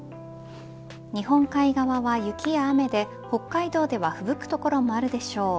日本海側は雪や雨で北海道ではふぶく所もあるでしょう。